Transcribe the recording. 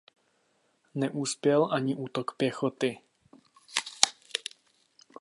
Neuspěl ani útok pěchoty.